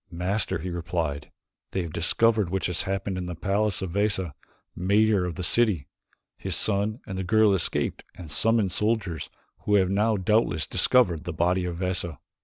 "Master," he replied, "they have discovered that which has happened in the palace of Veza, mayor of the city. His son and the girl escaped and summoned soldiers who have now doubtless discovered the body of Veza."